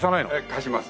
貸します。